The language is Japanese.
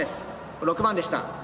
これ６番でした。